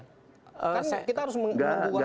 kan kita harus mengunggu